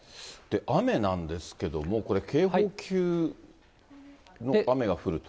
雨なんですけども、警報級の雨が降ると？